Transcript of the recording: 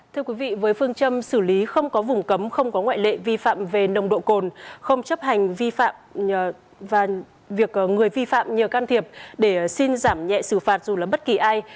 thưa quý vị với phương châm xử lý không có vùng cấm không có ngoại lệ vi phạm về nồng độ cồn không chấp hành vi phạm và việc người vi phạm nhờ can thiệp để xin giảm nhẹ xử phạt dù là bất kỳ ai